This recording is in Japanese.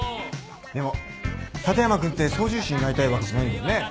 でも立山君って操縦士になりたいわけじゃないんだよね？